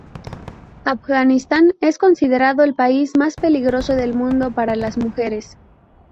Afganistán es considerado el país más peligroso del mundo para las mujeres.